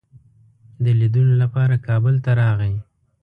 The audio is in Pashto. د لیدلو لپاره کابل ته راغی.